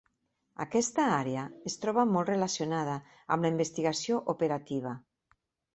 Aquesta àrea es troba molt relacionada amb la investigació operativa.